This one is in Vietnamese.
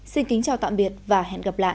xin kính chào tạm biệt và hẹn gặp lại